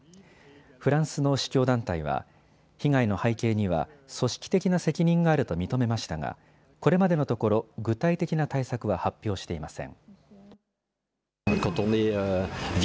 フランスの司教団体は被害の背景には組織的な責任があると認めましたがこれまでのところ具体的な対策は発表していません。